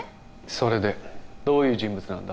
それでどういう人物なんだ？